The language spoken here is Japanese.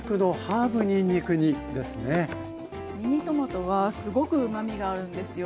ミニトマトはすごくうまみがあるんですよ。